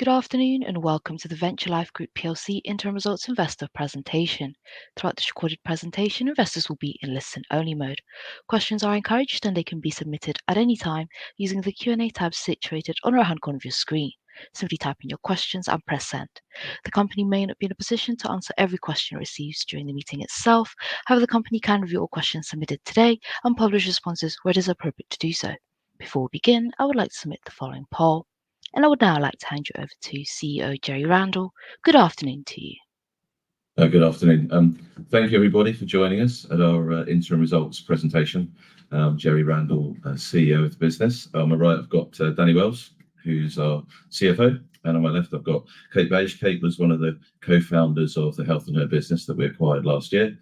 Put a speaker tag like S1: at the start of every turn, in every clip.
S1: Good afternoon and welcome to the Venture Life Group PLC Interim Results Investor presentation. Throughout the recorded presentation, investors will be in listen-only mode. Questions are encouraged, and they can be submitted at any time using the Q&A tab situated on the right-hand corner of your screen. Simply type in your questions and press send. The company may not be in a position to answer every question received during the meeting itself; however, the company can review all questions submitted today and publish responses where it is appropriate to do so. Before we begin, I would like to submit the following poll, and I would now like to hand you over to CEO Jerry Randall. Good afternoon to you.
S2: Good afternoon. Thank you, everybody, for joining us at our Interim Results presentation. I'm Jerry Randall, CEO of the business. On my right, I've got Danny Wells, who's our CFO, and on my left, I've got Kate Bache. Kate was one of the co-founders of the Health & Her business that we acquired last year.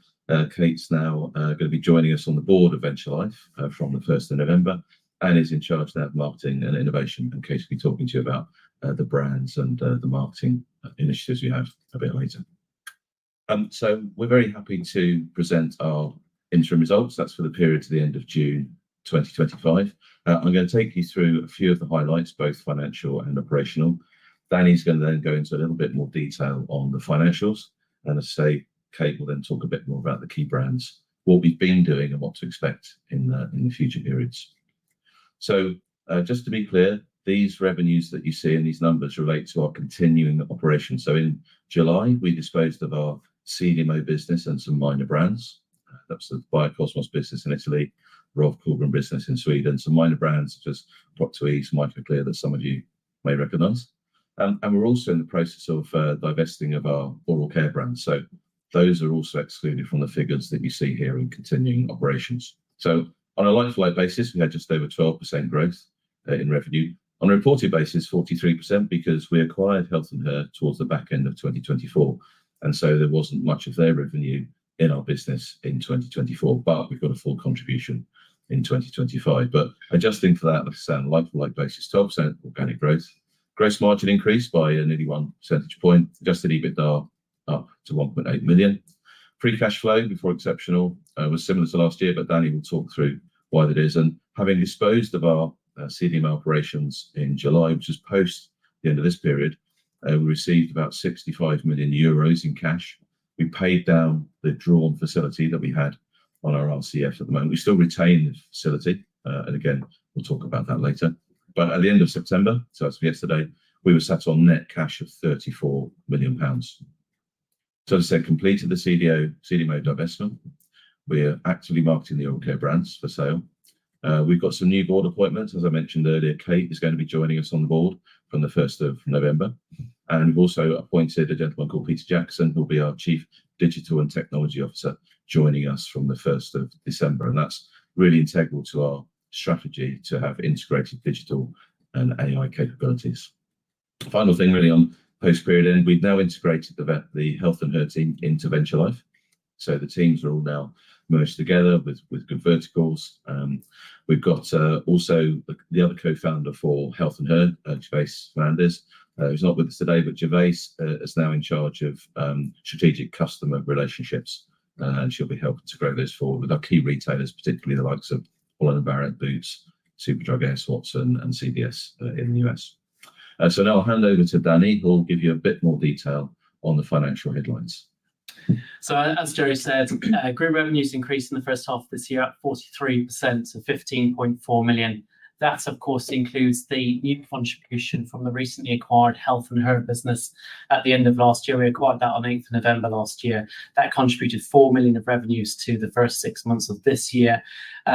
S2: Kate's now going to be joining us on the board of Venture Life from the 1st of November and is in charge now of marketing and innovation, and Kate will be talking to you about the brands and the marketing initiatives we have a bit later. So we're very happy to present our Interim Results. That's for the period to the end of June 2025. I'm going to take you through a few of the highlights, both financial and operational. Danny's going to then go into a little bit more detail on the financials, and I'll say Kate will then talk a bit more about the key brands, what we've been doing, and what to expect in the future periods. So just to be clear, these revenues that you see and these numbers relate to our continuing operations. So in July, we disposed of our CDMO business and some minor brands. That's the Biokosmes business in Italy, Rolf Kullgren business in Sweden, some minor brands such as Procto-eze, MycoClear that some of you may recognize. And we're also in the process of divesting of our oral care brands. So those are also excluded from the figures that you see here in continuing operations. So on a like-for-like basis, we had just over 12% growth in revenue. On a reported basis, 43% because we acquired Health & Her towards the back end of 2024, and so there wasn't much of their revenue in our business in 2024, but we've got a full contribution in 2025. But adjusting for that, like I said, on a like-for-like basis, 12% organic growth, gross margin increased by nearly one percentage point, adjusted EBITDA up to 1.8 million. Free cash flow before exceptional was similar to last year, but Danny will talk through why that is, and having disposed of our CDMO operations in July, which is post the end of this period, we received about 65 million euros in cash. We paid down the drawn facility that we had on our RCF at the moment. We still retain the facility, and again, we'll talk about that later. At the end of September, so that's from yesterday, we sat on net cash of 34 million pounds. So, as I said, we completed the CDMO divestment. We are actively marketing the oral care brands for sale. We have got some new board appointments. As I mentioned earlier, Kate is going to be joining us on the board from the 1st of November. We have also appointed a gentleman called Peter Jackson, who will be our Chief Digital and Technology Officer, joining us from the 1st of December. That is really integral to our strategy to have integrated digital and AI capabilities. The final thing, really, on post-period end, we have now integrated the Health & Her team into Venture Life. So the teams are all now merged together with good verticals. We have got also the other co-founder for Health & Her, Gervase Fay. He's not with us today, but Gervase is now in charge of strategic customer relationships, and she'll be helping to grow this forward with our key retailers, particularly the likes of Holland & Barrett, Boots, Superdrug, Swanson, and CVS in the US. So now I'll hand over to Danny, who will give you a bit more detail on the financial headlines.
S3: So as Jerry said, group revenues increased in the first half of this year up 43% to 15.4 million. That, of course, includes the new contribution from the recently acquired Health & Her business at the end of last year. We acquired that on 8th of November last year. That contributed 4 million of revenues to the first six months of this year.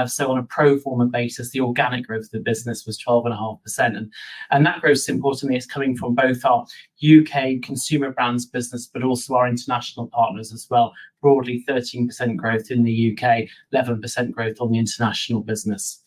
S3: So on a pro forma basis, the organic growth of the business was 12.5%. And that growth, importantly, is coming from both our UK consumer brands business, but also our international partners as well. Broadly, 13% growth in the UK, 11% growth on the international business.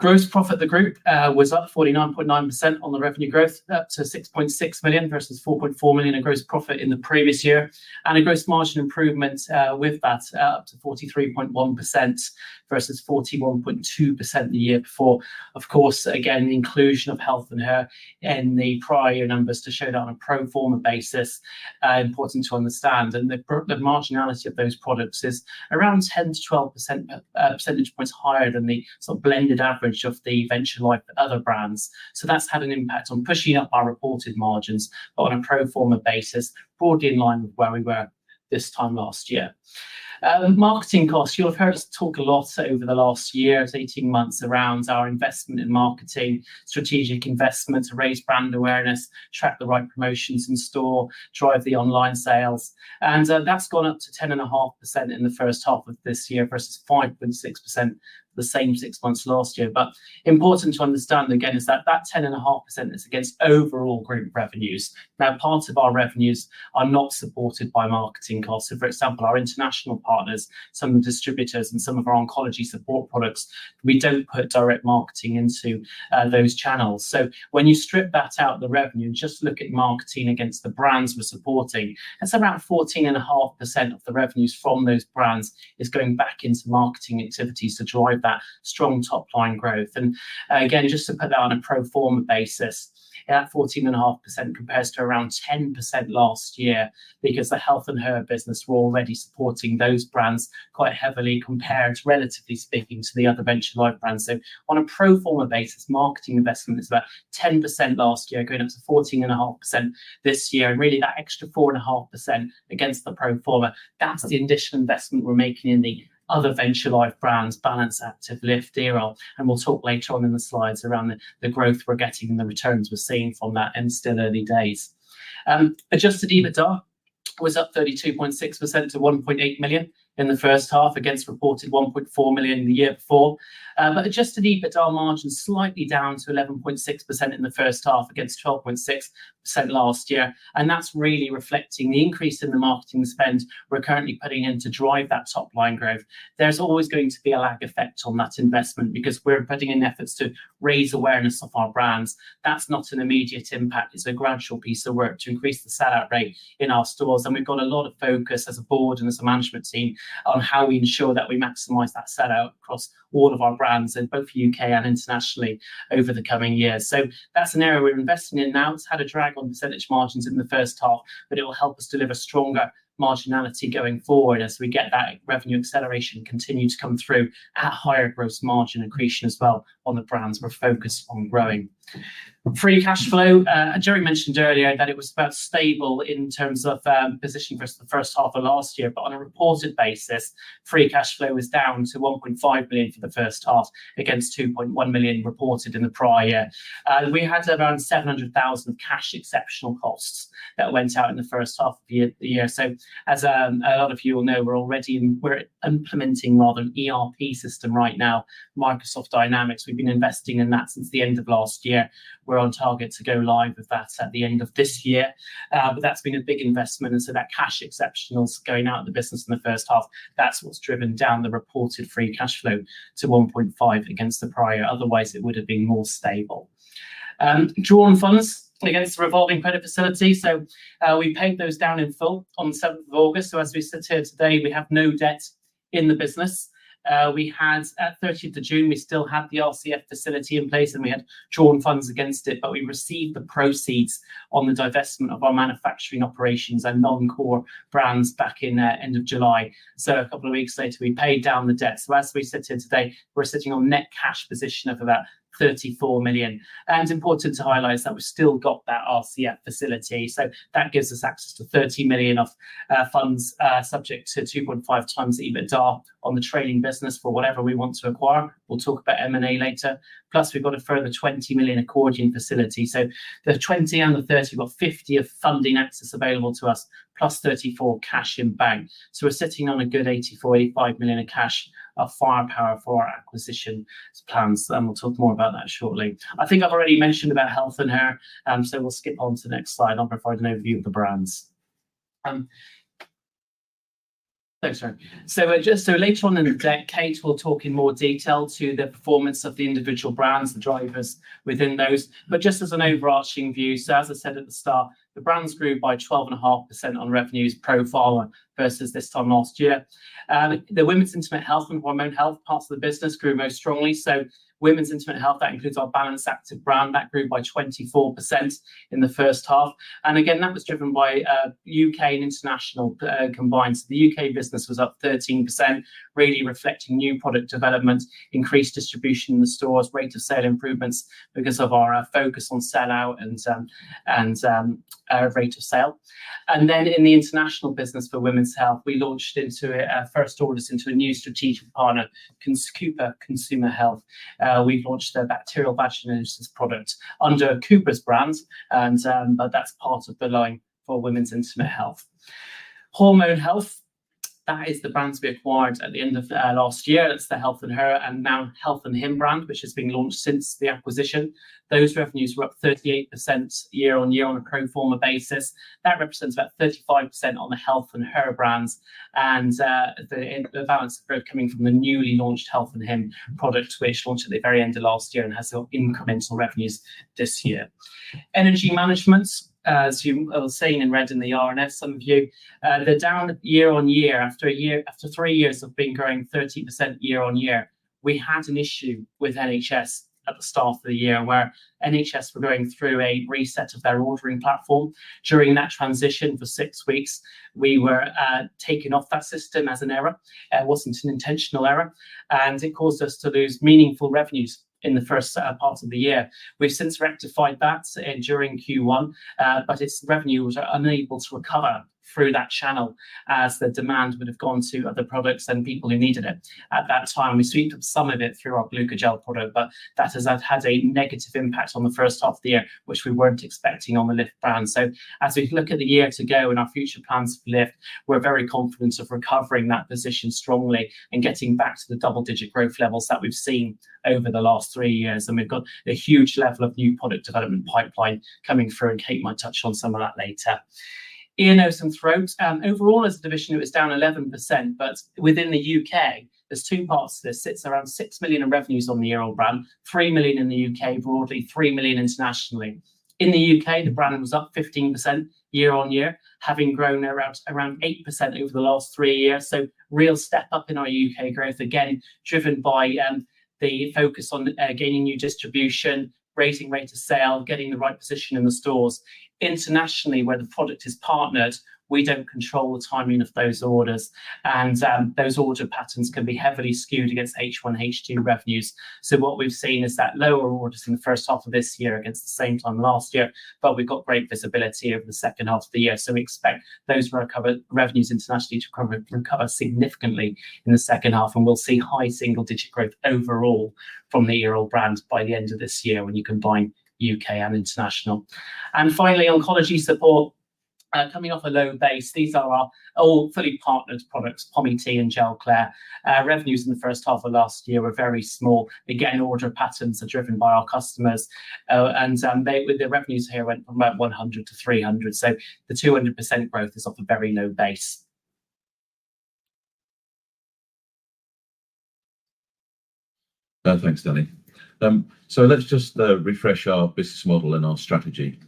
S3: Gross profit of the group was up 49.9% on the revenue growth, up to 6.6 million versus 4.4 million in gross profit in the previous year, and a gross margin improvement with that up to 43.1% versus 41.2% the year before. Of course, again, inclusion of Health & Her in the prior numbers to show that on a pro forma basis is important to understand. The marginality of those products is around 10-12 percentage points higher than the sort of blended average of the Venture Life other brands. That's had an impact on pushing up our reported margins, but on a pro forma basis, broadly in line with where we were this time last year. Marketing costs, you'll have heard us talk a lot over the last year's 18 months around our investment in marketing, strategic investment to raise brand awareness, track the right promotions in store, drive the online sales. That's gone up to 10.5% in the first half of this year versus 5.6% for the same six months last year. Important to understand, again, is that that 10.5% is against overall group revenues. Now, parts of our revenues are not supported by marketing costs. So for example, our international partners, some of the distributors, and some of our oncology support products, we don't put direct marketing into those channels. So when you strip that out, the revenue, and just look at marketing against the brands we're supporting, that's around 14.5% of the revenues from those brands is going back into marketing activities to drive that strong top-line growth. And again, just to put that on a pro forma basis, that 14.5% compares to around 10% last year because the Health & Her business were already supporting those brands quite heavily compared relatively speaking to the other Venture Life brands. So on a pro forma basis, marketing investment is about 10% last year, going up to 14.5% this year. Really, that extra 4.5% against the pro forma, that's the additional investment we're making in the other Venture Life brands, Balance Activ, Lift, Earol. We'll talk later on in the slides around the growth we're getting and the returns we're seeing from that. It's still early days. Adjusted EBITDA was up 32.6% to 1.8 million in the first half against reported 1.4 million the year before. Adjusted EBITDA margin slightly down to 11.6% in the first half against 12.6% last year. That's really reflecting the increase in the marketing spend we're currently putting in to drive that top-line growth. There's always going to be a lag effect on that investment because we're putting in efforts to raise awareness of our brands. That's not an immediate impact. It's a gradual piece of work to increase the sell-out rate in our stores. We've got a lot of focus as a board and as a management team on how we ensure that we maximise that sell-out across all of our brands in both the U.K. and internationally over the coming years. So that's an area we're investing in now. It's had a drag on percentage margins in the first half, but it will help us deliver stronger marginality going forward as we get that revenue acceleration continue to come through at higher gross margin accretion as well on the brands we're focused on growing. Free cash flow, Jerry mentioned earlier that it was about stable in terms of positioning for us the first half of last year, but on a reported basis, free cash flow was down to 1.5 million for the first half against 2.1 million reported in the prior year. We had around 700,000 of cash exceptional costs that went out in the first half of the year, so as a lot of you will know, we're already implementing rather an ERP system right now, Microsoft Dynamics. We've been investing in that since the end of last year. We're on target to go live with that at the end of this year, but that's been a big investment, and so that cash exceptional going out of the business in the first half, that's what's driven down the reported free cash flow to 1.5 against the prior. Otherwise, it would have been more stable, drawn funds against the revolving credit facility, so we paid those down in full on 7th of August, so as we sit here today, we have no debt in the business. We had, at 30th of June, we still had the RCF facility in place, and we had drawn funds against it, but we received the proceeds on the divestment of our manufacturing operations and non-core brands back in the end of July. So a couple of weeks later, we paid down the debt. So as we sit here today, we're sitting on net cash position of about 34 million. And important to highlight is that we've still got that RCF facility. So that gives us access to 30 million of funds subject to 2.5 times EBITDA on the trading business for whatever we want to acquire. We'll talk about M&A later. Plus, we've got a further 20 million accordion facility. So the 20 and the 30, we've got 50 of funding access available to us, plus 34 cash in bank. We are sitting on a good 84-85 million of cash of firepower for our acquisition plans. We will talk more about that shortly. I think I have already mentioned about Health & Her, so we will skip on to the next slide. I will provide an overview of the brands. Thanks, Jerry. Just so later on in the deck, Kate will talk in more detail to the performance of the individual brands, the drivers within those. But just as an overarching view, the brands grew by 12.5% on revenues profile versus this time last year. The women's intimate health and hormone health parts of the business grew most strongly. Women's intimate health, that includes our Balance Activ brand, grew by 24% in the first half. And again, that was driven by U.K. and international combined. The UK business was up 13%, really reflecting new product development, increased distribution in the stores, rate of sale improvements because of our focus on sell-out and rate of sale. Then in the international business for women's health, we launched into Italy first orders into a new strategic partner, Cooper Consumer Health. We've launched a bacterial vaginosis product under Cooper's brand, and that's part of the line for women's intimate health. Hormone health, that is the brands we acquired at the end of last year. That's the Health & Her and now Health & Him brand, which has been launched since the acquisition. Those revenues were up 38% year on year on a pro forma basis. That represents about 35% on the Health & Her brands. The balance of growth coming from the newly launched Health & Him product, which launched at the very end of last year and has incremental revenues this year. Energy management, as you were seeing in red in the P&L, some of you, the down year on year, after three years of being growing 30% year on year, we had an issue with NHS at the start of the year where NHS were going through a reset of their ordering platform. During that transition for six weeks, we were taken off that system as an error. It wasn't an intentional error, and it caused us to lose meaningful revenues in the first part of the year. We've since rectified that during Q1, but its revenues were unable to recover through that channel as the demand would have gone to other products and people who needed it. At that time, we sweep up some of it through our GlucoGel product, but that has had a negative impact on the first half of the year, which we weren't expecting on the Lift brand. So as we look at the year to go and our future plans for Lift, we're very confident of recovering that position strongly and getting back to the double-digit growth levels that we've seen over the last three years. And we've got a huge level of new product development pipeline coming through, and Kate might touch on some of that later. Ear, nose, and throat. Overall, as a division, it was down 11%, but within the UK, there's two parts to this. It's around 6 million in revenues on the Earol brand, 3 million in the UK, broadly 3 million internationally. In the UK, the brand was up 15% year on year, having grown around 8% over the last three years, so real step up in our UK growth, again, driven by the focus on gaining new distribution, raising rate of sale, getting the right position in the stores. Internationally, where the product is partnered, we don't control the timing of those orders, and those order patterns can be heavily skewed against H1, H2 revenues, so what we've seen is that lower orders in the first half of this year against the same time last year, but we've got great visibility over the second half of the year, so we expect those revenues internationally to recover significantly in the second half, and we'll see high single-digit growth overall from the year-old brand by the end of this year when you combine UK and international. And finally, oncology support coming off a low base. These are all fully partnered products, Pomi-T and Gelclair. Revenues in the first half of last year were very small. Again, order patterns are driven by our customers, and their revenues here went from about 100 to 300. So the 200% growth is off a very low base.
S2: Thanks, Danny. So let's just refresh our business model and our strategy.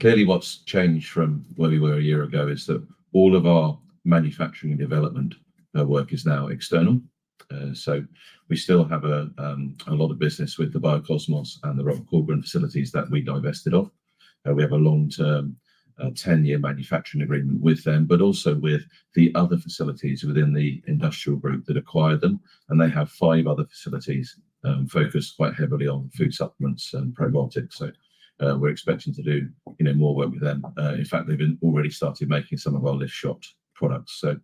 S2: Clearly, what's changed from where we were a year ago is that all of our manufacturing and development work is now external. So we still have a lot of business with the Biokosmes and the Rolf Kullgren facilities that we divested of. We have a long-term 10-year manufacturing agreement with them, but also with the other facilities within the industrial group that acquired them. And they have five other facilities focused quite heavily on food supplements and probiotics. So we're expecting to do more work with them. In fact, they've already started making some of our Lift glucose products. So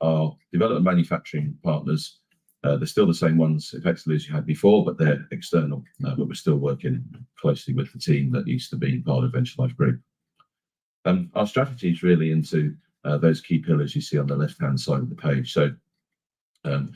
S2: our development manufacturing partners, they're still the same ones, effectively, as you had before, but they're external. But we're still working closely with the team that used to be part of Venture Life Group. Our strategy is really into those key pillars you see on the left-hand side of the page, so in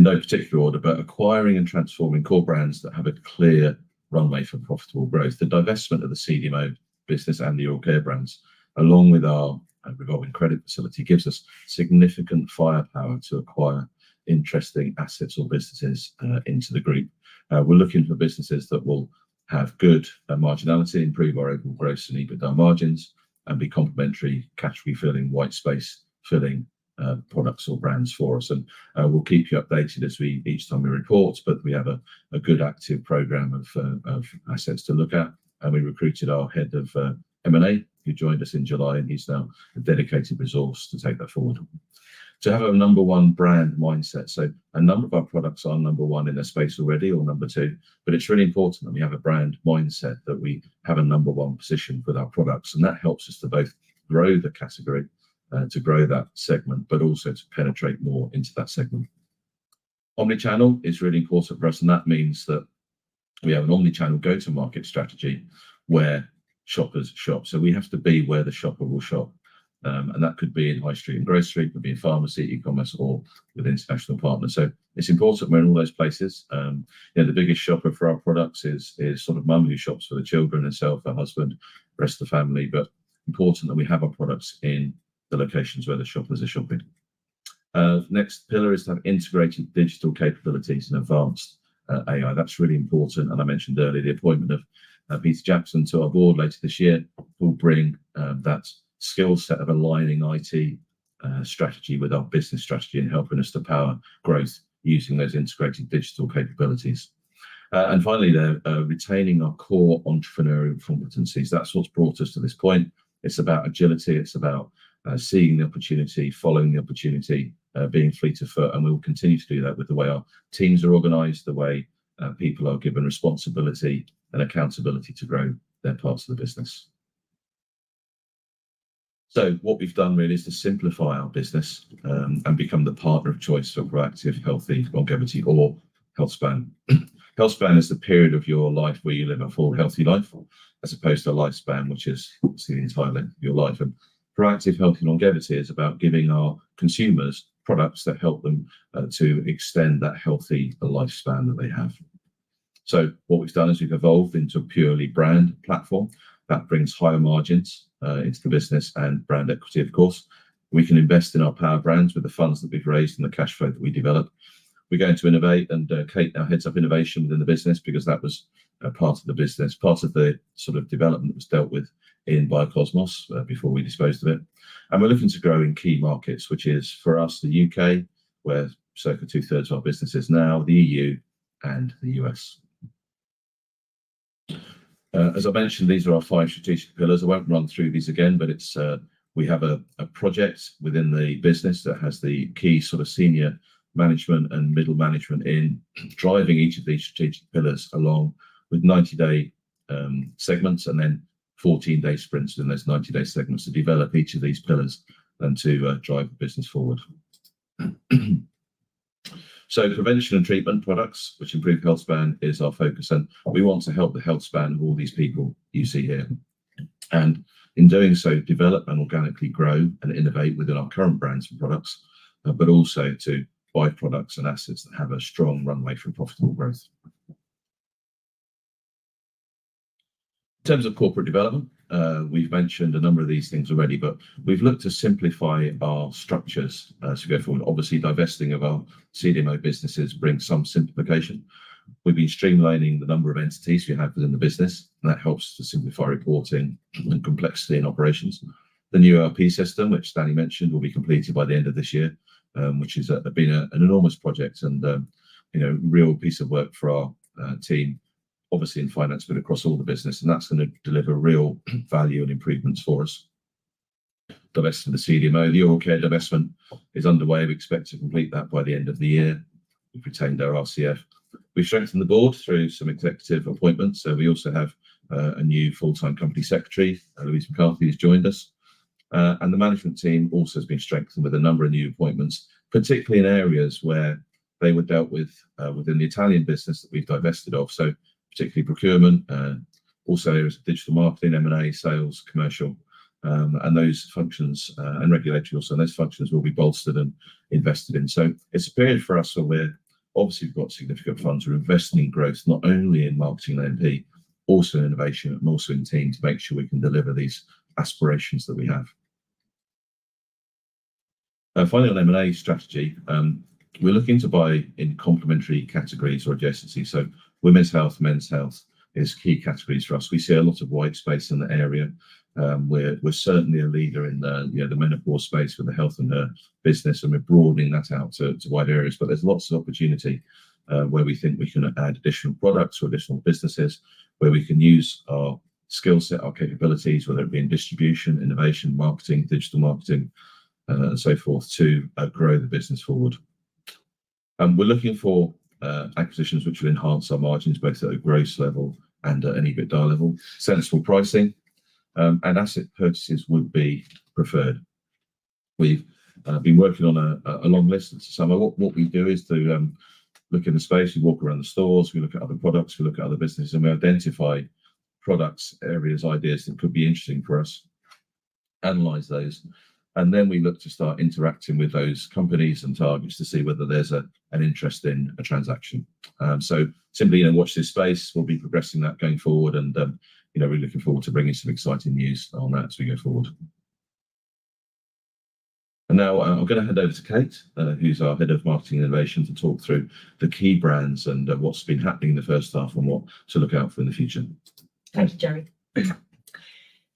S2: no particular order, but acquiring and transforming core brands that have a clear runway for profitable growth, the divestment of the CDMO business and the non-core brands, along with our revolving credit facility, gives us significant firepower to acquire interesting assets or businesses into the group. We're looking for businesses that will have good marginality, improve our overall growth and EBITDA margins, and be complementary cash refilling, white space filling products or brands for us, and we'll keep you updated as each time we report, but we have a good active program of assets to look at. And we recruited our head of M&A, who joined us in July, and he's now a dedicated resource to take that forward. To have a number one brand mindset. So a number of our products are number one in their space already or number two, but it's really important that we have a brand mindset that we have a number one position for our products. And that helps us to both grow the category, to grow that segment, but also to penetrate more into that segment. Omnichannel is really important for us, and that means that we have an omnichannel go-to-market strategy where shoppers shop. So we have to be where the shopper will shop. And that could be in high street grocery, could be in pharmacy, e-commerce, or with international partners. So it's important we're in all those places. The biggest shopper for our products is sort of mom who shops for the children, herself, her husband, the rest of the family. But it's important that we have our products in the locations where the shoppers are shopping. Next pillar is to have integrated digital capabilities and advanced AI. That's really important. And I mentioned earlier the appointment of Peter Jackson to our board later this year will bring that skill set of aligning IT strategy with our business strategy and helping us to power growth using those integrated digital capabilities. And finally, retaining our core entrepreneurial competencies. That's what's brought us to this point. It's about agility. It's about seeing the opportunity, following the opportunity, being fleet afoot. And we will continue to do that with the way our teams are organized, the way people are given responsibility and accountability to grow their parts of the business. So what we've done really is to simplify our business and become the partner of choice for proactive, healthy longevity or healthspan. Healthspan is the period of your life where you live a full healthy life as opposed to a lifespan which is entirely your life, and proactive healthy longevity is about giving our consumers products that help them to extend that healthy lifespan that they have, so what we've done is we've evolved into a purely brand platform that brings higher margins into the business and brand equity, of course. We can invest in our power brands with the funds that we've raised and the cash flow that we develop. We're going to innovate and Kate now heads up innovation within the business because that was part of the business, part of the sort of development that was dealt with in Biokosmes before we disposed of it. And we're looking to grow in key markets, which is for us the U.K., where circa two-thirds of our business is now, the EU, and the U.S. As I mentioned, these are our five strategic pillars. I won't run through these again, but we have a project within the business that has the key sort of senior management and middle management in driving each of these strategic pillars along with 90-day segments and then 14-day sprints in those 90-day segments to develop each of these pillars and to drive the business forward. So prevention and treatment products, which improve healthspan, is our focus. And we want to help the healthspan of all these people you see here. And in doing so, develop and organically grow and innovate within our current brands and products, but also to buy products and assets that have a strong runway for profitable growth. In terms of corporate development, we've mentioned a number of these things already, but we've looked to simplify our structures to go forward. Obviously, divesting of our CDMO businesses brings some simplification. We've been streamlining the number of entities we have within the business, and that helps to simplify reporting and complexity in operations. The new ERP system, which Danny mentioned, will be completed by the end of this year, which has been an enormous project and a real piece of work for our team, obviously in finance, but across all the business, and that's going to deliver real value and improvements for us. Divesting the CDMO, the Rolf Kullgren divestment is underway. We expect to complete that by the end of the year. We've retained our RCF. We've strengthened the board through some executive appointments, so we also have a new full-time company secretary, Louise McCarthy, who's joined us. The management team also has been strengthened with a number of new appointments, particularly in areas where they were dealt with within the Italian business that we've divested of. So particularly procurement, also areas of digital marketing, M&A, sales, commercial, and those functions and regulatory also. Those functions will be bolstered and invested in. It's a period for us where we're obviously got significant funds for investing in growth, not only in marketing and M&A, also in innovation, and also in teams to make sure we can deliver these aspirations that we have. Finally, on M&A strategy, we're looking to buy in complementary categories or adjacencies. Women's health, men's health is key categories for us. We see a lot of white space in the area. We're certainly a leader in the menopause space for the health and the business, and we're broadening that out to wider areas. But there's lots of opportunity where we think we can add additional products or additional businesses where we can use our skill set, our capabilities, whether it be in distribution, innovation, marketing, digital marketing, and so forth to grow the business forward. And we're looking for acquisitions which will enhance our margins both at a gross level and at an EBITDA level. Sensible pricing and asset purchases would be preferred. We've been working on a long list. What we do is to look in the space. We walk around the stores. We look at other products. We look at other businesses. And we identify products, areas, ideas that could be interesting for us, analyze those. And then we look to start interacting with those companies and targets to see whether there's an interest in a transaction. So simply watch this space. We'll be progressing that going forward. And we're looking forward to bringing some exciting news on that as we go forward. And now I'm going to hand over to Kate, who's our Head of Marketing and Innovation, to talk through the key brands and what's been happening in the first half and what to look out for in the future.
S4: Thank you, Jerry.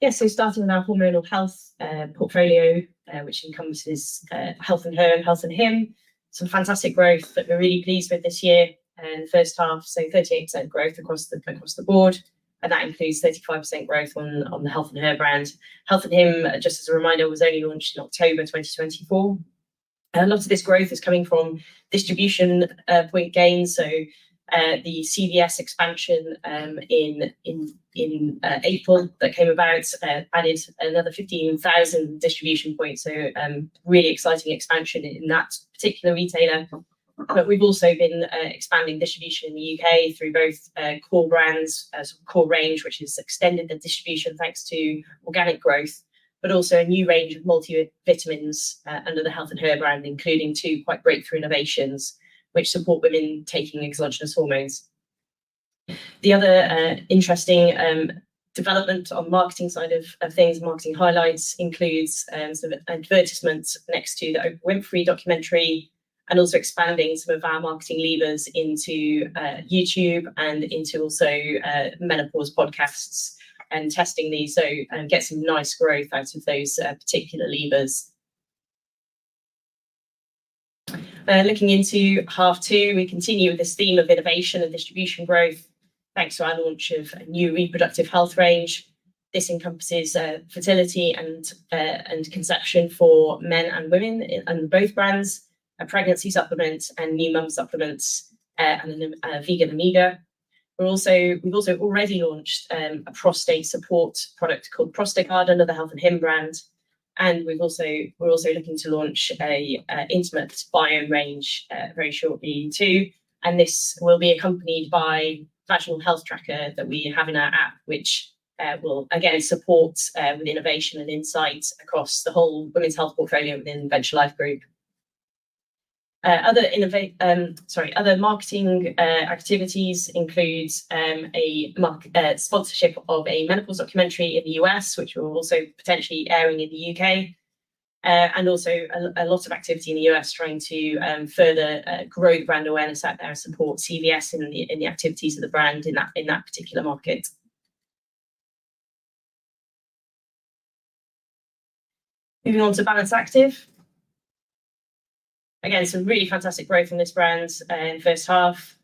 S4: Yeah, so starting with our hormonal health portfolio, which encompasses Health & Her, Health & Him, some fantastic growth that we're really pleased with this year. The first half, so 38% growth across the board. And that includes 35% growth on the Health & Her brand. Health & Him, just as a reminder, was only launched in October 2024. A lot of this growth is coming from distribution point gains. So the CVS expansion in April that came about added another 15,000 distribution points. So really exciting expansion in that particular retailer. But we've also been expanding distribution in the U.K. through both core brands, core range, which has extended the distribution thanks to organic growth, but also a new range of multi-vitamins under the Health & Her brand, including two quite breakthrough innovations which support women taking exogenous hormones. The other interesting development on the marketing side of things, marketing highlights includes some advertisements next to the Oprah Winfrey documentary and also expanding some of our marketing levers into YouTube and into also menopause podcasts and testing these. So get some nice growth out of those particular levers. Looking into half two, we continue with this theme of innovation and distribution growth thanks to our launch of a new reproductive health range. This encompasses fertility and conception for men and women and both brands, a pregnancy supplement and new mum supplements and a vegan omega. We've also already launched a prostate support product called Prostagarden, another Health & Him brand. And we're also looking to launch an intimate bio range very shortly too. And this will be accompanied by vaginal health tracker that we have in our app, which will again support with innovation and insights across the whole women's health portfolio within Venture Life Group. Sorry, other marketing activities include a sponsorship of a menopause documentary in the U.S., which we're also potentially airing in the U.K., and also a lot of activity in the U.S. trying to further grow the brand awareness out there and support CVS in the activities of the brand in that particular market. Moving on to Balance Activ. Again, some really fantastic growth on this brand in the first half.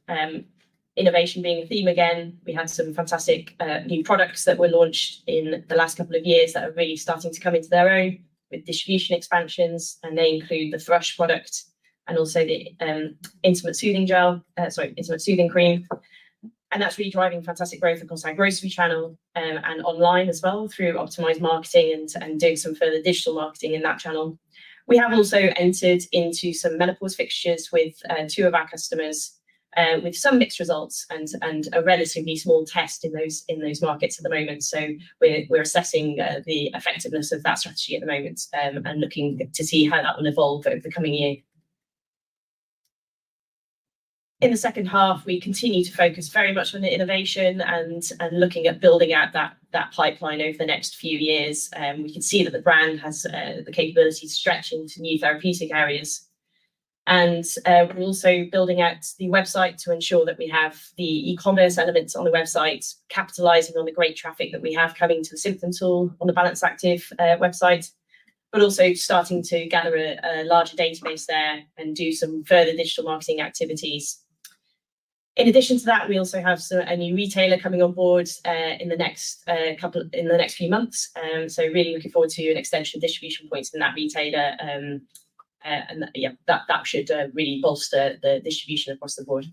S4: Innovation being a theme again, we had some fantastic new products that were launched in the last couple of years that are really starting to come into their own with distribution expansions. They include the Thrush product and also the Intimate Soothing Gel, sorry, Intimate Soothing Cream. That's really driving fantastic growth across our grocery channel and online as well through optimized marketing and doing some further digital marketing in that channel. We have also entered into some menopause fixtures with two of our customers with some mixed results and a relatively small test in those markets at the moment. We're assessing the effectiveness of that strategy at the moment and looking to see how that will evolve over the coming year. In the second half, we continue to focus very much on innovation and looking at building out that pipeline over the next few years. We can see that the brand has the capability to stretch into new therapeutic areas. We're also building out the website to ensure that we have the e-commerce elements on the website, capitalizing on the great traffic that we have coming to the symptom tool on the Balance Activ website, but also starting to gather a larger database there and do some further digital marketing activities. In addition to that, we also have a new retailer coming on board in the next few months. Really looking forward to an extension of distribution points in that retailer. Yeah, that should really bolster the distribution across the board.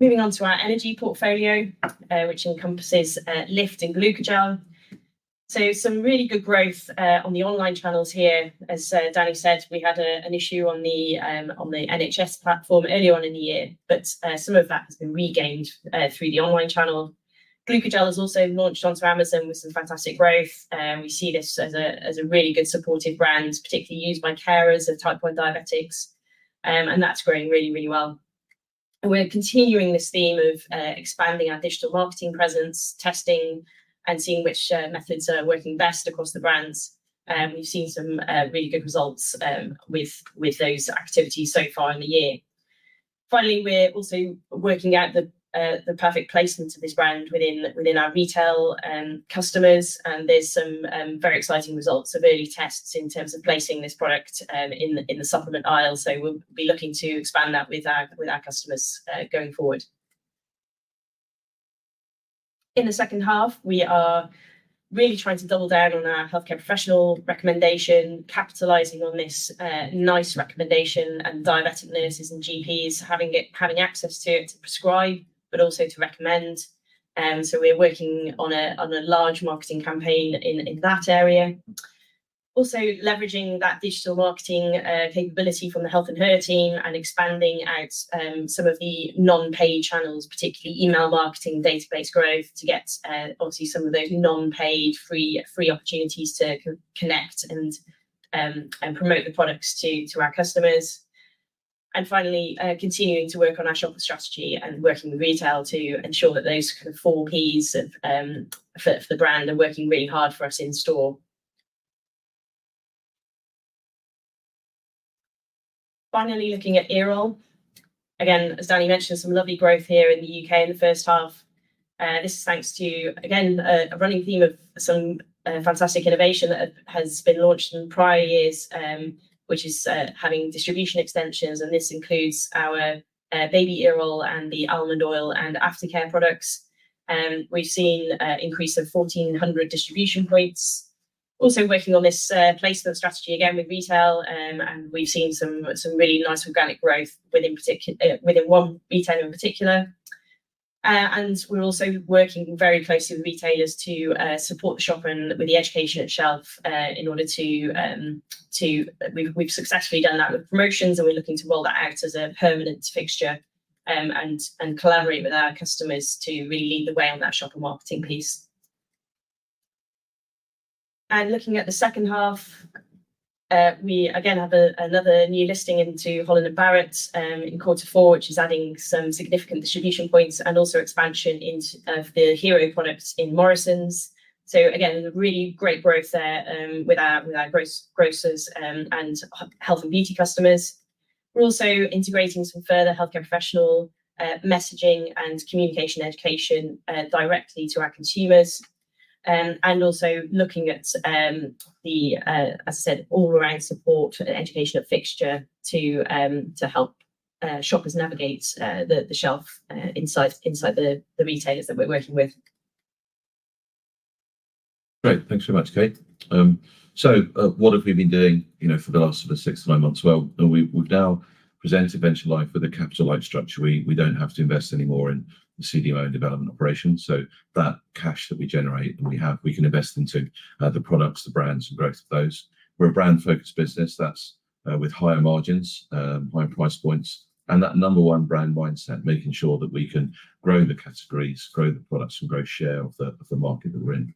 S4: Moving on to our energy portfolio, which encompasses Lift and GlucoGel. Some really good growth on the online channels here. As Danny said, we had an issue on the NHS platform earlier on in the year, but some of that has been regained through the online channel. GlucoGel has also launched onto Amazon with some fantastic growth. We see this as a really good supportive brand, particularly used by caregivers of type 1 diabetics, and that's growing really, really well. We're continuing this theme of expanding our digital marketing presence, testing, and seeing which methods are working best across the brands. We've seen some really good results with those activities so far in the year. Finally, we're also working out the perfect placement of this brand within our retail customers, and there's some very exciting results of early tests in terms of placing this product in the supplement aisle, so we'll be looking to expand that with our customers going forward. In the second half, we are really trying to double down on our healthcare professional recommendation, capitalizing on this nice recommendation and diabetic nurses and GPs having access to it to prescribe, but also to recommend. So we're working on a large marketing campaign in that area. Also leveraging that digital marketing capability from the Health & Her team and expanding out some of the non-paid channels, particularly email marketing database growth to get obviously some of those non-paid free opportunities to connect and promote the products to our customers. And finally, continuing to work on our shopper strategy and working with retail to ensure that those kind of four P's for the brand are working really hard for us in store. Finally, looking at Earol. Again, as Danny mentioned, some lovely growth here in the U.K. in the first half. This is thanks to, again, a running theme of some fantastic innovation that has been launched in prior years, which is having distribution extensions. And this includes our Baby Earol and the Almond Oil and aftercare products. We've seen an increase of 1,400 distribution points. Also working on this placement strategy again with retail. And we've seen some really nice organic growth within one retailer in particular. And we're also working very closely with retailers to support the shopper with the education at shelf in order to, we've successfully done that with promotions, and we're looking to roll that out as a permanent fixture and collaborate with our customers to really lead the way on that shopper marketing piece. Looking at the second half, we again have another new listing into Holland & Barrett in quarter four, which is adding some significant distribution points and also expansion into the Health & Her products in Morrisons. So again, really great growth there with our grocers and health and beauty customers. We're also integrating some further healthcare professional messaging and communication education directly to our consumers. Also looking at the, as I said, all-around support and education of fixtures to help shoppers navigate the shelf inside the retailers that we're working with.
S2: Great. Thanks very much, Kate. So what have we been doing for the last sort of six to nine months? Well, we've now presented Venture Life Group with a capital-like structure. We don't have to invest anymore in the CDMO and development operations. So that cash that we generate and we have, we can invest into the products, the brands, and growth of those. We're a brand-focused business that's with higher margins, higher price points, and that number one brand mindset, making sure that we can grow the categories, grow the products, and grow share of the market that we're in.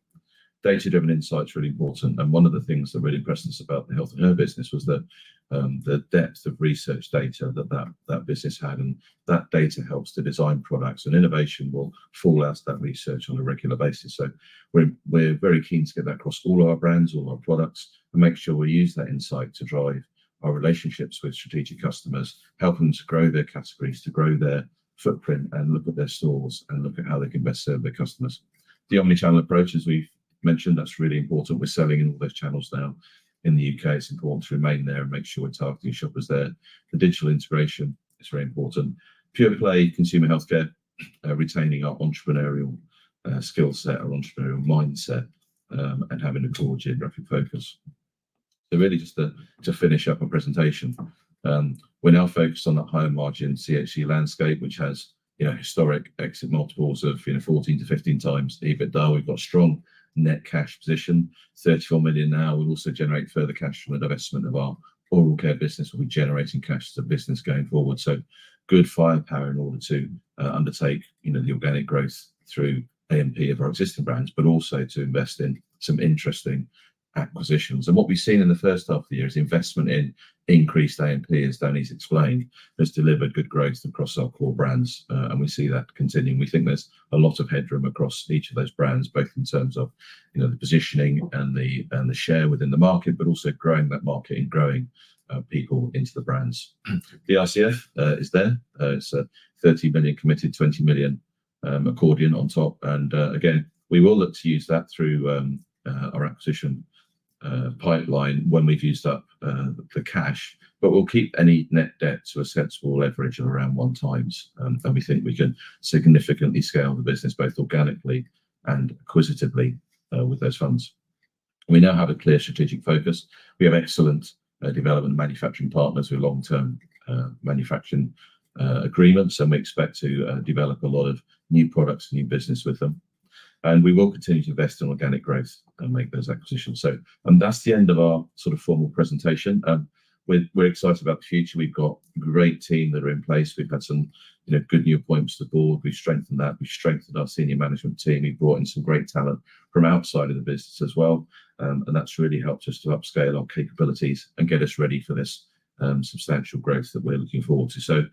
S2: Data-driven insights are really important. And one of the things that really impressed us about the Health & Her business was the depth of research data that that business had. And that data helps to design products. And innovation will fall out of that research on a regular basis. So we're very keen to get that across all our brands, all our products, and make sure we use that insight to drive our relationships with strategic customers, helping them to grow their categories, to grow their footprint, and look at their stores and look at how they can best serve their customers. The omnichannel approach, as we've mentioned, that's really important. We're selling in all those channels now. In the U.K., it's important to remain there and make sure we're targeting shoppers there. The digital integration is very important. PurePlay, consumer healthcare, retaining our entrepreneurial skill set, our entrepreneurial mindset, and having a core geographic focus. So really just to finish up our presentation, we're now focused on that higher margin CHC landscape, which has historic exit multiples of 14 to 15 times EBITDA. We've got a strong net cash position, 34 million now. We'll also generate further cash from the divestment of our oral care business. We'll be generating cash as a business going forward. Good firepower in order to undertake the organic growth through A&P of our existing brands, but also to invest in some interesting acquisitions. What we've seen in the first half of the year is investment in increased A&P, as Danny's explained, has delivered good growth across our core brands. We see that continuing. We think there's a lot of headroom across each of those brands, both in terms of the positioning and the share within the market, but also growing that market and growing people into the brands. The RCF is there. It's a 30 million committed, 20 million accordion on top. Again, we will look to use that through our acquisition pipeline when we've used up the cash. We'll keep any net debt to a sensible leverage of around one times. We think we can significantly scale the business both organically and acquisitively with those funds. We now have a clear strategic focus. We have excellent development and manufacturing partners with long-term manufacturing agreements. We expect to develop a lot of new products and new business with them. We will continue to invest in organic growth and make those acquisitions. That's the end of our sort of formal presentation. We're excited about the future. We've got a great team that are in place. We've had some good new appointments to the board. We've strengthened that. We've strengthened our senior management team. We've brought in some great talent from outside of the business as well. That's really helped us to upscale our capabilities and get us ready for this substantial growth that we're looking forward to.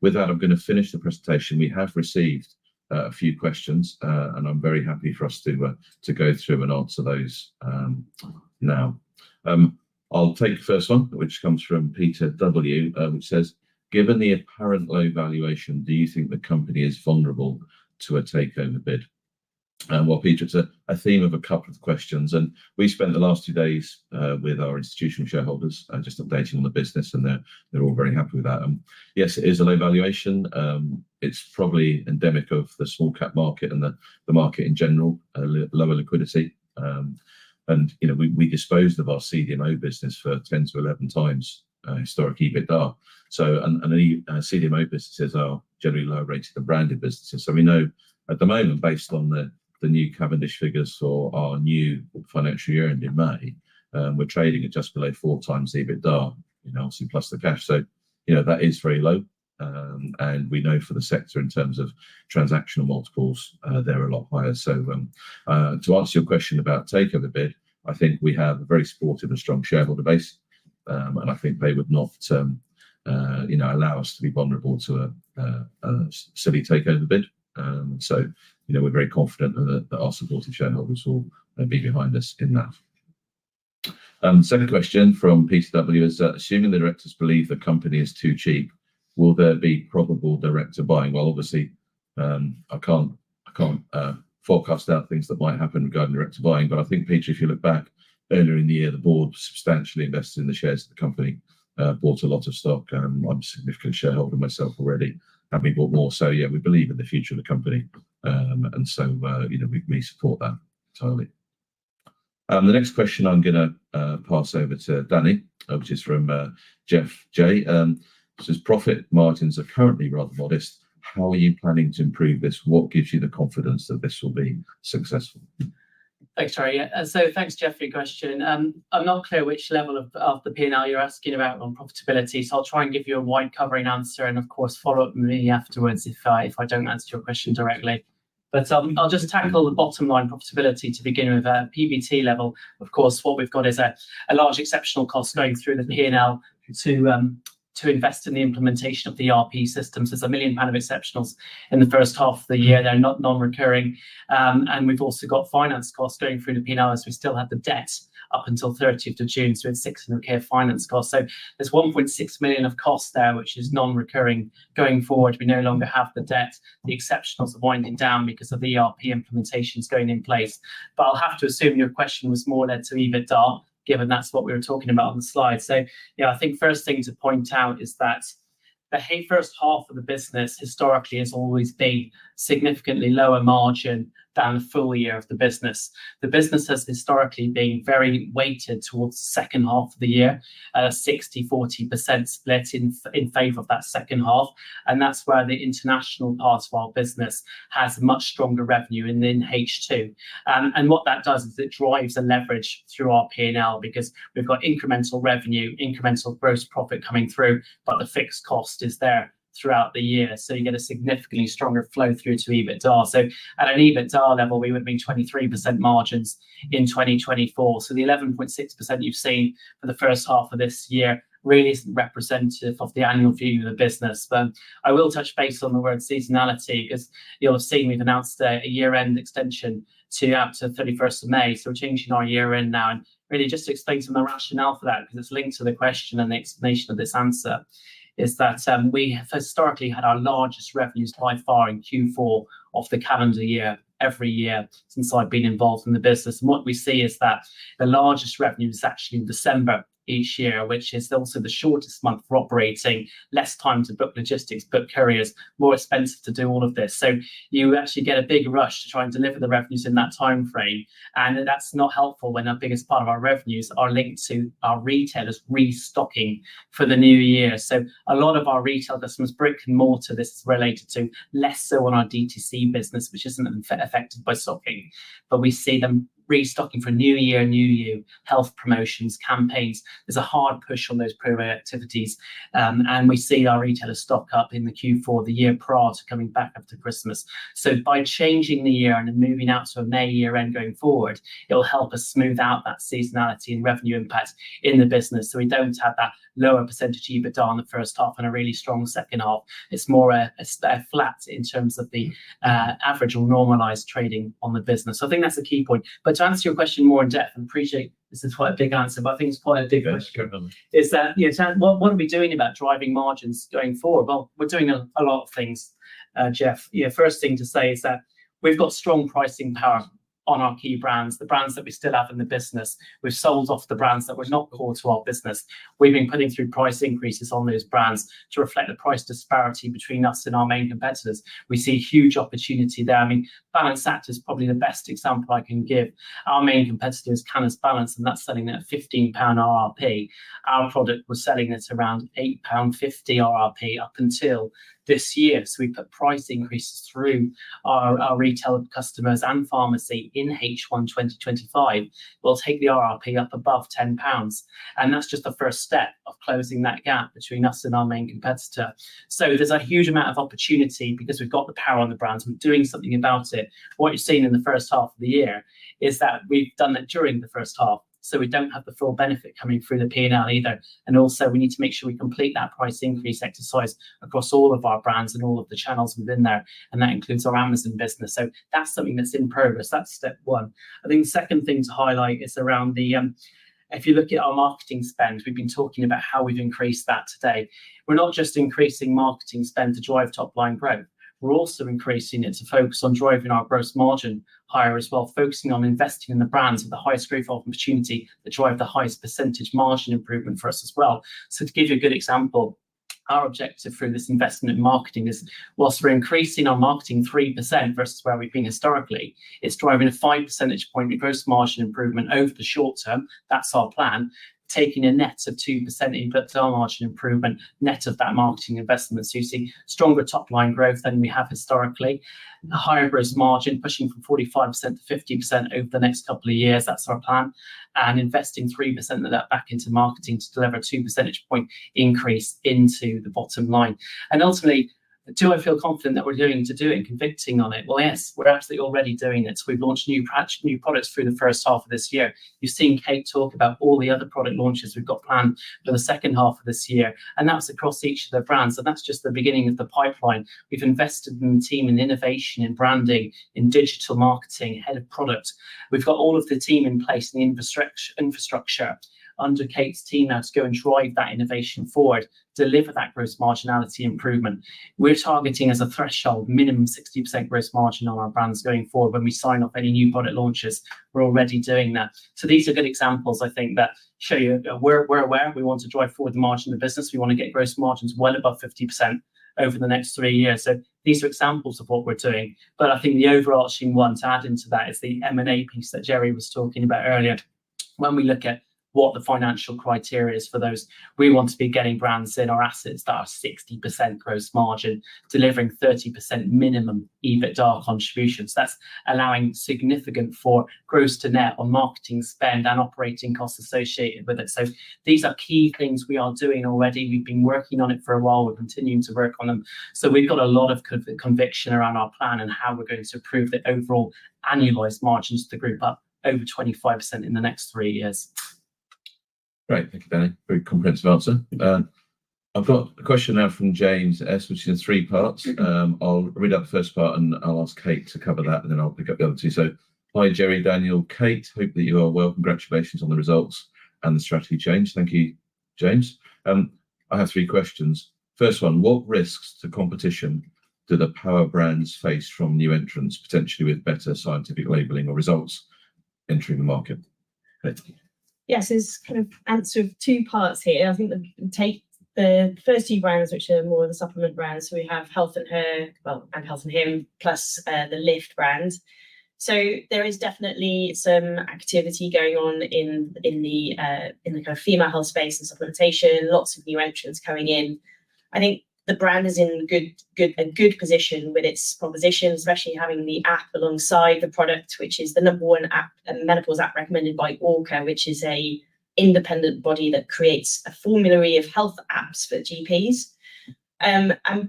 S2: With that, I'm going to finish the presentation. We have received a few questions. I'm very happy for us to go through and answer those now. I'll take the first one, which comes from Peter W., which says, "Given the apparent low valuation, do you think the company is vulnerable to a takeover bid?" Peter, it's a theme of a couple of questions. We spent the last two days with our institutional shareholders just updating on the business. They're all very happy with that. Yes, it is a low valuation. It's probably endemic of the small-cap market and the market in general, lower liquidity. We disposed of our CDMO business for 10-11 times historic EBITDA. CDMO businesses are generally lower rated than branded businesses. So we know at the moment, based on the new Cavendish figures for our new financial year end in May, we're trading at just below four times EBITDA, obviously plus the cash. So that is very low. And we know for the sector in terms of transactional multiples, they're a lot higher. So to answer your question about takeover bid, I think we have a very supportive and strong shareholder base. And I think they would not allow us to be vulnerable to a silly takeover bid. So we're very confident that our supportive shareholders will be behind us in that. Second question from Peter W. is, "Assuming the directors believe the company is too cheap, will there be probable director buying?" Well, obviously, I can't forecast out things that might happen regarding director buying. But I think, Peter, if you look back earlier in the year, the board substantially invested in the shares of the company, bought a lot of stock. I'm a significant shareholder myself already. Have I bought more. So yeah, we believe in the future of the company. And so we support that entirely. The next question I'm going to pass over to Danny, which is from Jeff J., says, "Profit margins are currently rather modest. How are you planning to improve this? What gives you the confidence that this will be successful?
S3: Thanks, Jerry. So thanks, Jeff, for your question. I'm not clear which level of the P&L you're asking about on profitability. So I'll try and give you a wide covering answer. And of course, follow up with me afterwards if I don't answer your question directly. But I'll just tackle the bottom line profitability to begin with. PBT level, of course, what we've got is a large exceptional cost going through the P&L to invest in the implementation of the ERP systems. There's 1 million pound of exceptionals in the first half of the year. They're non-recurring. And we've also got finance costs going through the P&L as we still have the debt up until 30th of June. So it's 1.6 in the year finance cost. So there's 1.6 million of costs there, which is non-recurring going forward. We no longer have the debt. The exceptionals are winding down because of the ERP implementations going in place. But I'll have to assume your question was more led to EBITDA, given that's what we were talking about on the slide. So yeah, I think first thing to point out is that the first half of the business historically has always been significantly lower margin than the full year of the business. The business has historically been very weighted towards the second half of the year, a 60%-40% split in favor of that second half. And that's where the international part of our business has much stronger revenue in H2. And what that does is it drives a leverage through our P&L because we've got incremental revenue, incremental gross profit coming through, but the fixed cost is there throughout the year. So you get a significantly stronger flow through to EBITDA. At an EBITDA level, we would have been 23% margins in 2024, so the 11.6% you've seen for the first half of this year really isn't representative of the annual view of the business, but I will touch base on the word seasonality because you'll have seen we've announced a year-end extension to up to 31st of May, so we're changing our year-end now, and really just to explain some of the rationale for that, because it's linked to the question and the explanation of this answer, is that we historically had our largest revenues by far in Q4 of the calendar year every year since I've been involved in the business, and what we see is that the largest revenue is actually in December each year, which is also the shortest month for operating, less time to book logistics, book couriers, more expensive to do all of this. You actually get a big rush to try and deliver the revenues in that timeframe. That's not helpful when our biggest part of our revenues are linked to our retailers restocking for the new year. A lot of our retail customers, brick and mortar, this is related to less so on our DTC business, which isn't affected by stocking. We see them restocking for New Year, New Year, health promotions, campaigns. There's a hard push on those pro-activities. We see our retailer stock up in the Q4, the year prior to coming back up to Christmas. By changing the year and moving out to a May year-end going forward, it'll help us smooth out that seasonality and revenue impact in the business. We don't have that lower percentage EBITDA in the first half and a really strong second half. It's more a flat in terms of the average or normalized trading on the business. I think that's a key point. To answer your question more in depth, I appreciate this is quite a big answer, but I think it's quite a big question. Is that, yeah, what are we doing about driving margins going forward? We're doing a lot of things, Jeff. First thing to say is that we've got strong pricing power on our key brands, the brands that we still have in the business. We've sold off the brands that were not core to our business. We've been putting through price increases on those brands to reflect the price disparity between us and our main competitors. We see huge opportunity there. I mean, Balance Activ is probably the best example I can give. Our main competitor is Balance Activ, and that's selling at 15 pound RRP. Our product was selling at around 8.50 pound RRP up until this year, so we put price increases through our retail customers and pharmacy in H1 2025. We'll take the RRP up above 10 pounds, and that's just the first step of closing that gap between us and our main competitor, so there's a huge amount of opportunity because we've got the power on the brands. We're doing something about it. What you've seen in the first half of the year is that we've done that during the first half, so we don't have the full benefit coming through the P&L either, and also we need to make sure we complete that price increase exercise across all of our brands and all of the channels within there, and that includes our Amazon business, so that's something that's in progress. That's step one. I think the second thing to highlight is around the, if you look at our marketing spend, we've been talking about how we've increased that today. We're not just increasing marketing spend to drive top-line growth. We're also increasing it to focus on driving our gross margin higher as well, focusing on investing in the brands with the highest growth opportunity that drive the highest percentage margin improvement for us as well. So to give you a good example, our objective through this investment in marketing is, while we're increasing our marketing 3% versus where we've been historically, it's driving a 5 percentage point gross margin improvement over the short term. That's our plan. Taking a net of 2% input to our margin improvement, net of that marketing investment, so you see stronger top-line growth than we have historically, a higher gross margin pushing from 45%-50% over the next couple of years. That's our plan. And investing 3% of that back into marketing to deliver a 2 percentage point increase into the bottom line. And ultimately, do I feel confident that we're doing it to do it and convicting on it? Well, yes, we're absolutely already doing it. We've launched new products through the first half of this year. You've seen Kate talk about all the other product launches we've got planned for the second half of this year. And that's across each of the brands. And that's just the beginning of the pipeline. We've invested in the team in innovation, in branding, in digital marketing, head of product. We've got all of the team in place in the infrastructure under Kate's team now to go and drive that innovation forward, deliver that gross marginality improvement. We're targeting as a threshold, minimum 60% gross margin on our brands going forward. When we sign off any new product launches, we're already doing that. These are good examples, I think, that show you we're aware. We want to drive forward the margin of the business. We want to get gross margins well above 50% over the next three years. These are examples of what we're doing. I think the overarching one to add into that is the M&A piece that Jerry was talking about earlier. When we look at what the financial criteria is for those, we want to be getting brands in our assets that are 60% gross margin, delivering 30% minimum EBITDA contributions. That's allowing significant for gross to net on marketing spend and operating costs associated with it. So these are key things we are doing already. We've been working on it for a while. We're continuing to work on them. So we've got a lot of conviction around our plan and how we're going to improve the overall annualized margins to the group up over 25% in the next three years.
S2: Great. Thank you, Danny. Very comprehensive answer. I've got a question now from James, switching to three parts. I'll read out the first part and I'll ask Kate to cover that, and then I'll pick up the other two. So hi, Jerry, Daniel, Kate. Hope that you are well. Congratulations on the results and the strategy change. Thank you, James. I have three questions. First one, what risks to competition do the power brands face from new entrants, potentially with better scientific labeling or results entering the market? Thank you.
S4: Yes, there's kind of an answer of two parts here. I think the first two brands, which are more of the supplement brands. So we have Health & Her, well, and Health & Him, plus the Lift brands. So there is definitely some activity going on in the kind of female health space and supplementation. Lots of new entrants coming in. I think the brand is in a good position with its proposition, especially having the app alongside the product, which is the number one app, a menopause app recommended by ORCHA, which is an independent body that creates a formulary of health apps for GPs.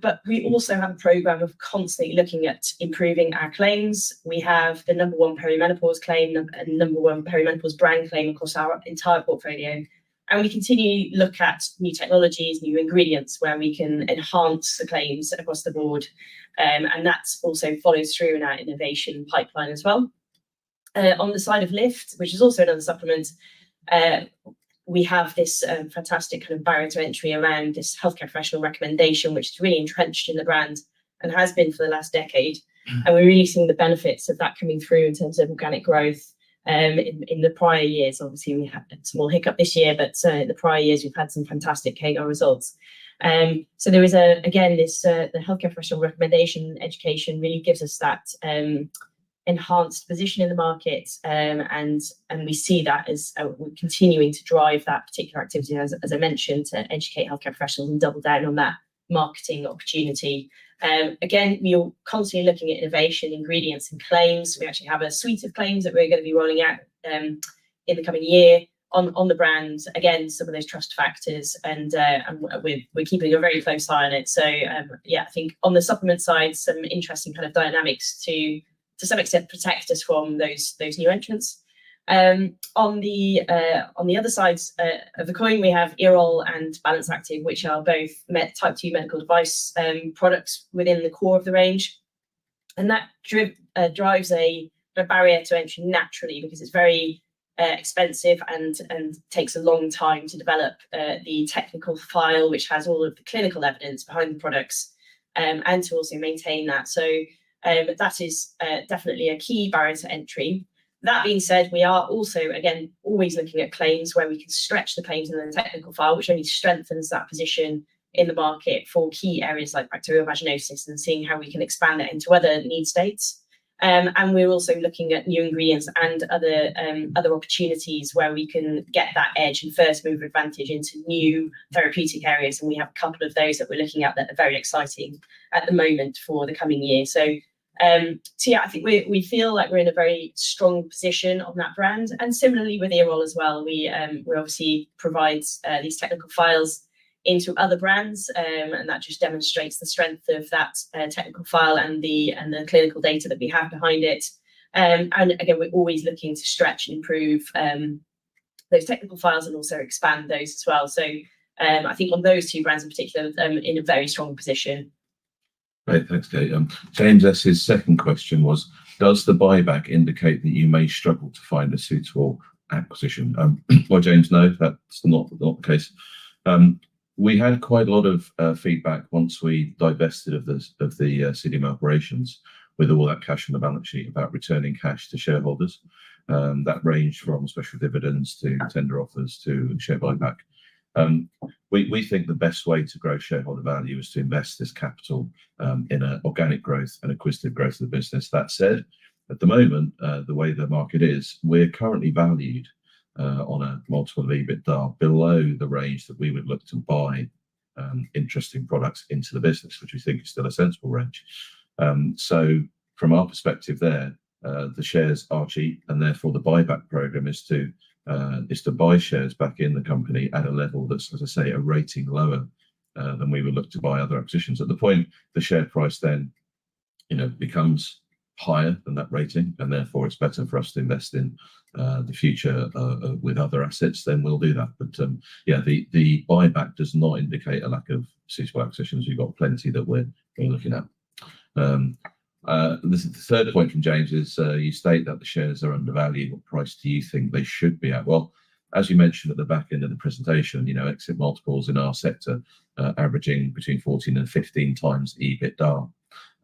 S4: But we also have a program of constantly looking at improving our claims. We have the number one perimenopause claim, a number one perimenopause brand claim across our entire portfolio. We continue to look at new technologies, new ingredients where we can enhance the claims across the board. That also follows through in our innovation pipeline as well. On the side of Lift, which is also another supplement, we have this fantastic kind of barrier to entry around this healthcare professional recommendation, which is really entrenched in the brand and has been for the last decade. We're really seeing the benefits of that coming through in terms of organic growth. In the prior years, obviously, we had a small hiccup this year, but in the prior years, we've had some fantastic CAGR results. There is, again, the healthcare professional recommendation education really gives us that enhanced position in the market. We see that as we're continuing to drive that particular activity, as I mentioned, to educate healthcare professionals and double down on that marketing opportunity. Again, we are constantly looking at innovation, ingredients, and claims. We actually have a suite of claims that we're going to be rolling out in the coming year on the brands. Again, some of those trust factors. And we're keeping a very close eye on it. So yeah, I think on the supplement side, some interesting kind of dynamics to some extent protect us from those new entrants. On the other side of the coin, we have Earol and Balance Activ, which are both type two medical device products within the core of the range. And that drives a barrier to entry naturally because it's very expensive and takes a long time to develop the technical file, which has all of the clinical evidence behind the products, and to also maintain that. So that is definitely a key barrier to entry. That being said, we are also, again, always looking at claims where we can stretch the claims in the technical file, which only strengthens that position in the market for key areas like bacterial vaginosis and seeing how we can expand that into other need states. And we're also looking at new ingredients and other opportunities where we can get that edge and first move advantage into new therapeutic areas. And we have a couple of those that we're looking at that are very exciting at the moment for the coming year. So yeah, I think we feel like we're in a very strong position on that brand. And similarly with Earol as well, we obviously provide these technical files into other brands. And that just demonstrates the strength of that technical file and the clinical data that we have behind it. And again, we're always looking to stretch and improve those technical files and also expand those as well. So I think on those two brands in particular, we're in a very strong position.
S2: Great. Thanks, Kate. James, his second question was, does the buyback indicate that you may struggle to find a suitable acquisition? Well, James, no, that's not the case. We had quite a lot of feedback once we divested of the CDMO operations with all that cash on the balance sheet about returning cash to shareholders. That ranged from special dividends to tender offers to share buyback. We think the best way to grow shareholder value is to invest this capital in organic growth and acquisitive growth of the business. That said, at the moment, the way the market is, we're currently valued on a multiple of EBITDA below the range that we would look to buy interesting products into the business, which we think is still a sensible range. So from our perspective there, the shares are cheap, and therefore the buyback program is to buy shares back in the company at a level that's, as I say, a rating lower than we would look to buy other acquisitions. At the point, the share price then becomes higher than that rating, and therefore it's better for us to invest in the future with other assets, then we'll do that. But yeah, the buyback does not indicate a lack of suitable acquisitions. You've got plenty that we're looking at. The third point from James is you state that the shares are undervalued. What price do you think they should be at? Well, as you mentioned at the back end of the presentation, exit multiples in our sector averaging between 14 and 15 times EBITDA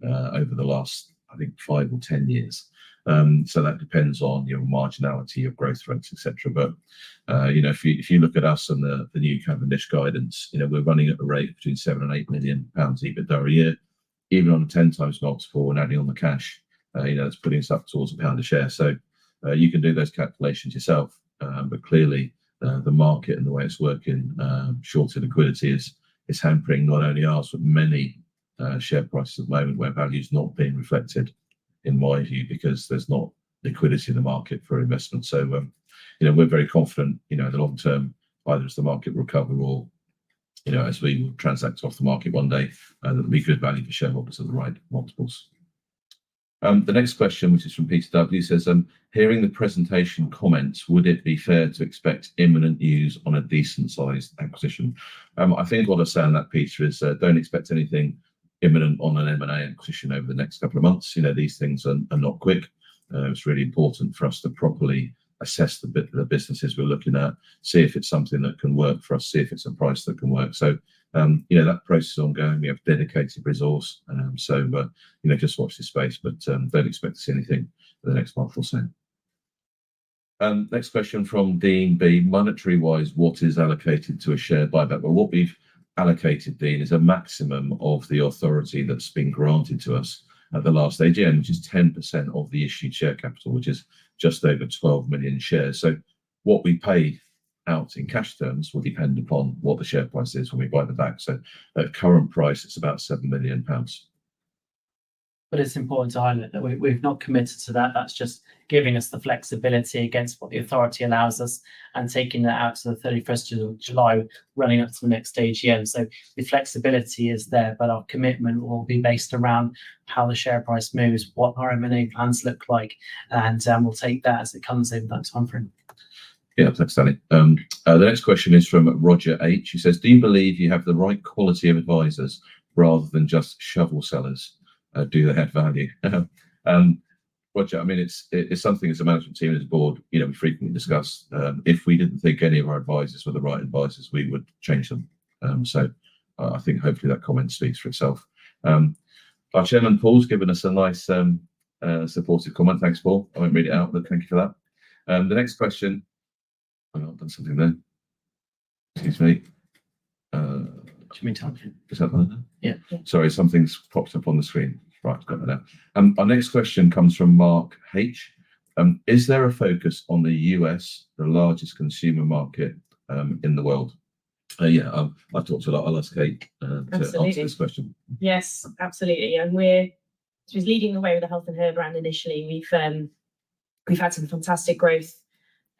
S2: over the last, I think, five or 10 years. So that depends on your marginality, your growth rates, etc. But if you look at us and the new Cavendish guidance, we're running at a rate between seven and eight million GBP EBITDA a year, even on a ten times multiple, and adding on the cash, it's putting us up towards GBP 1 a share. So you can do those calculations yourself. But clearly, the market and the way it's working, short-term liquidity is hampering not only us, but many share prices at the moment where value is not being reflected, in my view, because there's not liquidity in the market for investment. So we're very confident in the long term, either as the market recovers or as we transact off the market one day, there'll be good value for shareholders at the right multiples. The next question, which is from Peter W. says, hearing the presentation comments, would it be fair to expect imminent news on a decent-sized acquisition? I think what I've said on that, Peter, is don't expect anything imminent on an M&A acquisition over the next couple of months. These things are not quick. It's really important for us to properly assess the businesses we're looking at, see if it's something that can work for us, see if it's a price that can work. So that process is ongoing. We have dedicated resource. So just watch this space, but don't expect to see anything in the next month or so. Next question from Dean B., Monetary-wise, what is allocated to a share buyback? Well, what we've allocated, Dean, is a maximum of the authority that's been granted to us at the last AGM, which is 10% of the issued share capital, which is just over 12 million shares. What we pay out in cash terms will depend upon what the share price is when we buy the back. At current price, it's about 7 million pounds.
S3: But it's important to highlight that we've not committed to that. That's just giving us the flexibility against what the authority allows us and taking that out to the 31st of July, running up to the next AGM. So the flexibility is there, but our commitment will be based around how the share price moves, what our M&A plans look like, and we'll take that as it comes in that timeframe.
S2: Yeah, thanks, Danny. The next question is from Roger H. He says, do you believe you have the right quality of advisors rather than just shovel sellers? Do they have value? Roger, I mean, it's something as a management team, as a board, we frequently discuss. If we didn't think any of our advisors were the right advisors, we would change them. So I think hopefully that comment speaks for itself. Our Chairman, Paul, has given us a nice supportive comment. Thanks, Paul. I won't read it out, but thank you for that. The next question. I've got something there. Excuse me, do you mean something? Yeah. Sorry, something's popped up on the screen. Right, I've got that now. Our next question comes from Mark H. Is there a focus on the U.S., the largest consumer market in the world? Yeah, I've talked to a lot. I'll ask Kate to answer this question.
S4: Yes, absolutely. So we're leading the way with the Health & Her brand initially. We've had some fantastic growth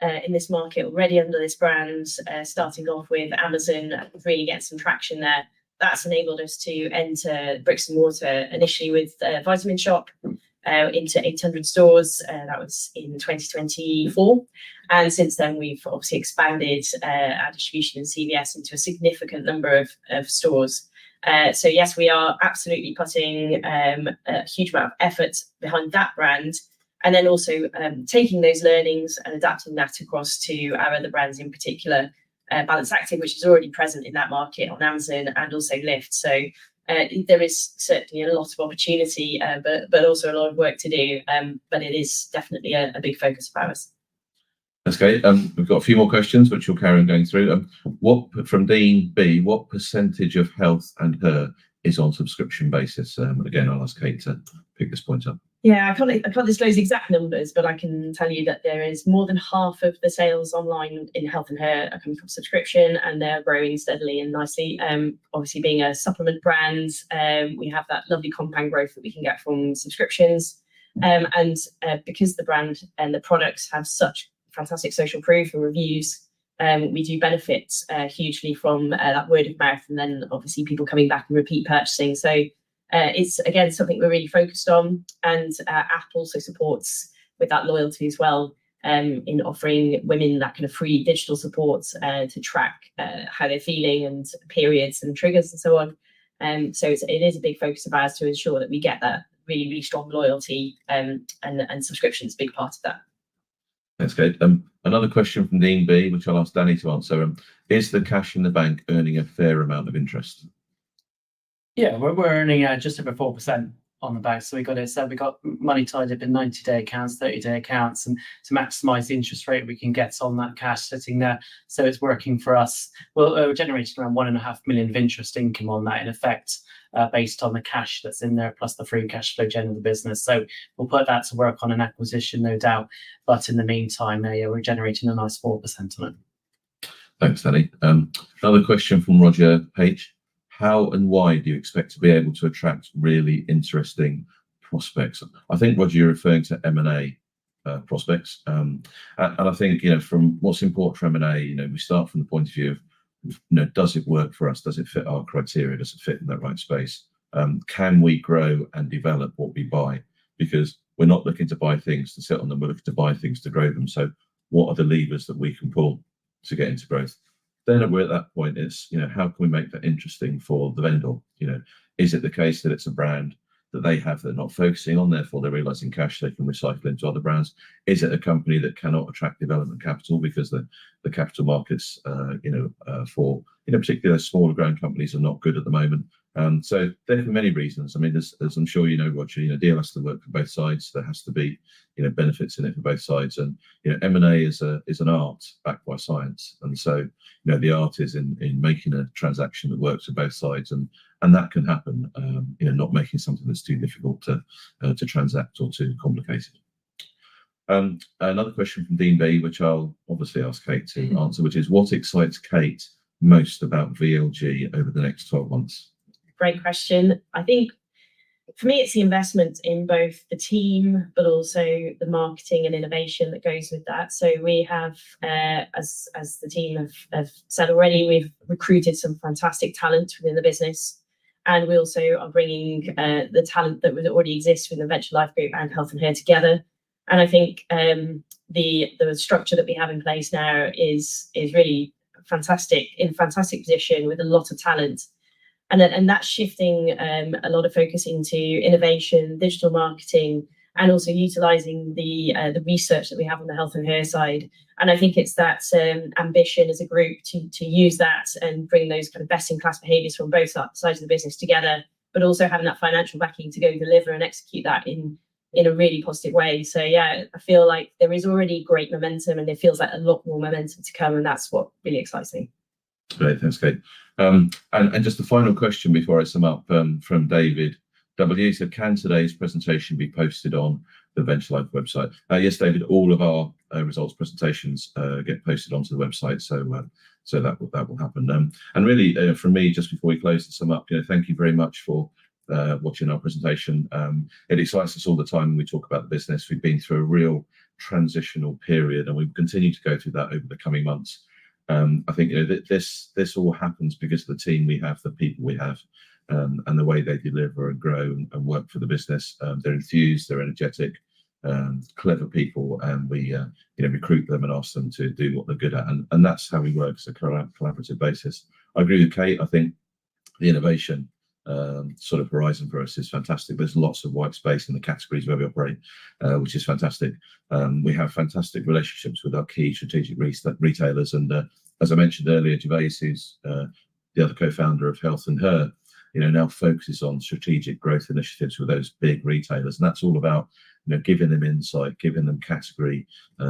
S4: in this market already under this brand, starting off with Amazon and really getting some traction there. That's enabled us to enter bricks and mortar initially with The Vitamin Shoppe into 800 stores. That was in 2024. And since then, we've obviously expanded our distribution in CVS into a significant number of stores. So yes, we are absolutely putting a huge amount of effort behind that brand. And then also taking those learnings and adapting that across to our other brands in particular, Balance Activ, which is already present in that market on Amazon and also Lift. So there is certainly a lot of opportunity, but also a lot of work to do. But it is definitely a big focus of ours.
S2: That's great. We've got a few more questions, which we'll carry on going through. From Dean B., what percentage of Health & Her is on subscription basis? Again, I'll ask Kate to pick this point up.
S4: Yeah, I can't disclose exact numbers, but I can tell you that there is more than half of the sales online in Health & Her are coming from subscription, and they're growing steadily and nicely. Obviously, being a supplement brand, we have that lovely compound growth that we can get from subscriptions. And because the brand and the products have such fantastic social proof and reviews, we do benefit hugely from that word of mouth and then obviously people coming back and repeat purchasing. So it's, again, something we're really focused on. And Apple also supports with that loyalty as well in offering women that kind of free digital support to track how they're feeling and periods and triggers and so on. So it is a big focus of ours to ensure that we get that really, really strong loyalty, and subscription is a big part of that.
S2: That's great. Another question from Dean B., which I'll ask Danny to answer. Is the cash in the bank earning a fair amount of interest?
S3: Yeah, we're earning just over 4% on the bank. So we've got money tied up in 90-day accounts, 30-day accounts. And to maximize the interest rate we can get on that cash sitting there. So it's working for us. We're generating around 1.5 million of interest income on that in effect based on the cash that's in there plus the free cash flow gen of the business. So we'll put that to work on an acquisition, no doubt. But in the meantime, we're generating a nice 4% on it.
S2: Thanks, Danny. Another question from Roger H. How and why do you expect to be able to attract really interesting prospects? I think, Roger, you're referring to M&A prospects, and I think from what's important for M&A, we start from the point of view of, does it work for us? Does it fit our criteria? Does it fit in the right space? Can we grow and develop what we buy? Because we're not looking to buy things to sit on them. We're looking to buy things to grow them. So what are the levers that we can pull to get into growth, then at that point, it's how can we make that interesting for the vendor? Is it the case that it's a brand that they have, they're not focusing on? Therefore, they're realizing cash they can recycle into other brands. Is it a company that cannot attract development capital because the capital markets for particularly smaller brand companies are not good at the moment? So there are many reasons. I mean, as I'm sure you know, Roger, deals to work for both sides. There has to be benefits in it for both sides. And M&A is an art backed by science. And so the art is in making a transaction that works for both sides. And that can happen not making something that's too difficult to transact or too complicated. Another question from Dean B.,, which I'll obviously ask Kate to answer, which is, what excites Kate most about VLG over the next 12 months?
S4: Great question. I think for me, it's the investment in both the team, but also the marketing and innovation that goes with that, so we have, as the team have said already, we've recruited some fantastic talent within the business, and we also are bringing the talent that already exists with the Venture Life Group and Health & Her together, and I think the structure that we have in place now is really fantastic in a fantastic position with a lot of talent, and that's shifting a lot of focus into innovation, digital marketing, and also utilizing the research that we have on the Health & Her side. I think it's that ambition as a group to use that and bring those kind of best-in-class behaviors from both sides of the business together, but also having that financial backing to go deliver and execute that in a really positive way. Yeah, I feel like there is already great momentum, and it feels like a lot more momentum to come. That's what really excites me.
S2: Great. Thanks, Kate. And just the final question before I sum up from David W. So can today's presentation be posted on the Venture Life website? Yes, David, all of our results presentations get posted onto the website. So that will happen. And really, for me, just before we close and sum up, thank you very much for watching our presentation. It excites us all the time when we talk about the business. We've been through a real transitional period, and we will continue to go through that over the coming months. I think this all happens because of the team we have, the people we have, and the way they deliver and grow and work for the business. They're enthused, they're energetic, clever people, and we recruit them and ask them to do what they're good at. And that's how we work as a collaborative basis. I agree with Kate. I think the innovation sort of horizon for us is fantastic. There's lots of white space in the categories where we operate, which is fantastic. We have fantastic relationships with our key strategic retailers. And as I mentioned earlier, Gervase, who's the other co-founder of Health & Her, now focuses on strategic growth initiatives with those big retailers. And that's all about giving them insight, giving them category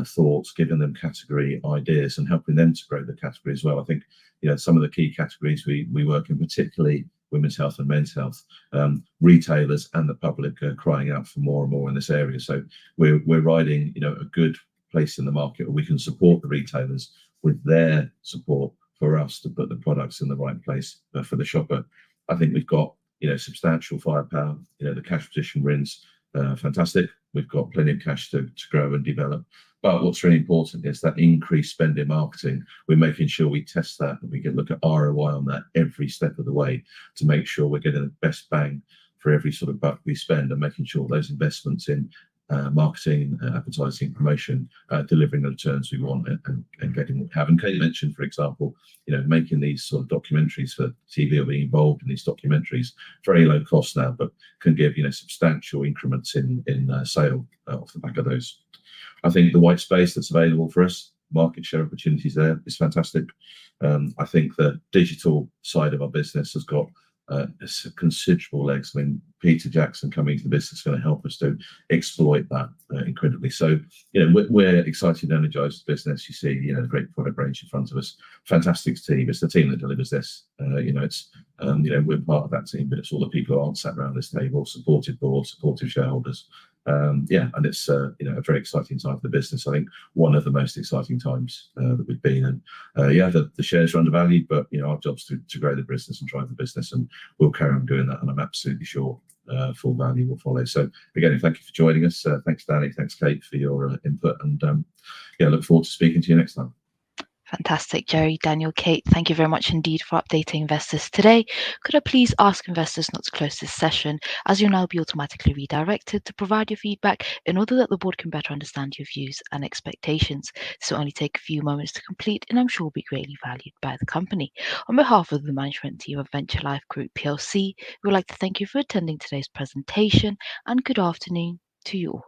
S2: thoughts, giving them category ideas, and helping them to grow the category as well. I think some of the key categories we work in, particularly women's health and men's health, retailers and the public are crying out for more and more in this area. So we're riding a good place in the market where we can support the retailers with their support for us to put the products in the right place for the shopper. I think we've got substantial firepower. The cash position is fantastic. We've got plenty of cash to grow and develop. But what's really important is that increased spend in marketing. We're making sure we test that, and we can look at ROI on that every step of the way to make sure we're getting the best bang for every sort of buck we spend and making sure those investments in marketing, advertising, promotion, delivering the returns we want and getting what we have. Kate mentioned, for example, making these sort of documentaries for TV or being involved in these documentaries, very low cost now, but can give substantial increments in sales on the back of those. I think the white space that's available for us, market share opportunities there, is fantastic. I think the digital side of our business has got considerable legs. I mean, Peter Jackson coming into the business is going to help us to exploit that incredibly. So we're excited and energized as a business. You see a great product range in front of us. Fantastic team. It's the team that delivers this. We're part of that team, but it's all the people who are sat around this table, supportive board, supportive shareholders. Yeah, and it's a very exciting time for the business. I think one of the most exciting times that we've been. And yeah, the shares are undervalued, but our job's to grow the business and drive the business. And we'll carry on doing that. And I'm absolutely sure full value will follow. So again, thank you for joining us. Thanks, Danny. Thanks, Kate, for your input, and yeah, look forward to speaking to you next time.
S1: Fantastic. Jerry, Daniel, Kate, thank you very much indeed for updating investors today. Could I please ask investors not to close this session as you'll now be automatically redirected to provide your feedback in order that the board can better understand your views and expectations. This will only take a few moments to complete, and I'm sure will be greatly valued by the company. On behalf of the management team of Venture Life Group PLC, we would like to thank you for attending today's presentation and good afternoon to you all.